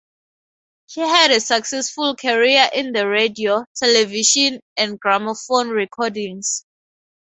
She had a successful career in the radio, television and gramophone recordings.